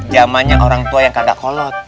zamannya orang tua yang kagak kolot